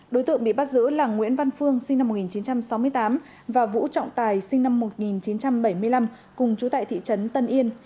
đối tượng bị bắt giữ là nguyễn văn phương sinh năm một nghìn chín trăm sáu mươi tám và vũ trọng tài sinh năm một nghìn chín trăm bảy mươi năm cùng chú tại thị trấn tân yên